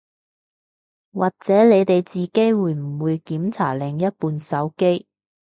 或者你哋自己會唔會檢查另一半手機